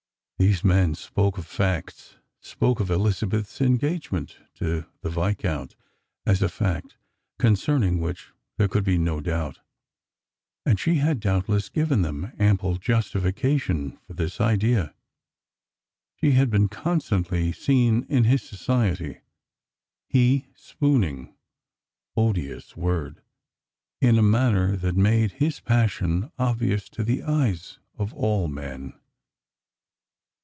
These men spoke of facts — spoke of Elizabeth's engagement to the Viscount as a fact concerning which there could be no doubt. And she had doubtless given them ample justification for this idea. She had been constantly seen in his society. He " spooning "— odious worJ !— in a manner that made his passion obvious to the eyes of all men.